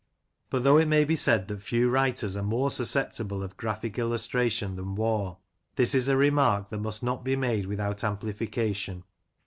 But though it may be said that few writers are more susceptible of graphic illustration than Waugh, this is a remark that must not be made without amplification.